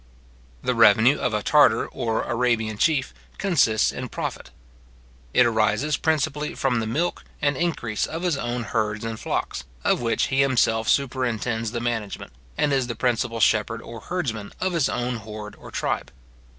The revenue of a Tartar or Arabian chief consists in profit. It arises principally from the milk and increase of his own herds and flocks, of which he himself superintends the management, and is the principal shepherd or herdsman of his own horde or tribe.